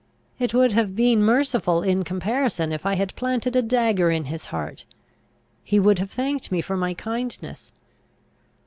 It would have been merciful in comparison, if I had planted a dagger in his heart. He would have thanked me for my kindness.